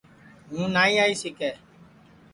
ہوں نائی آئی سِکے